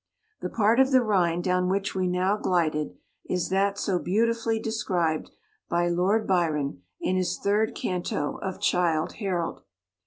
The part of the Rhine down which we now glided, is that so beautifully described by Lord Byron in his third canto of Childe Harold.